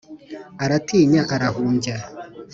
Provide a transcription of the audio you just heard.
Aratinya arahumbya